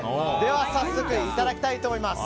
早速いただきたいと思います。